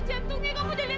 kamu bisa keluar dulu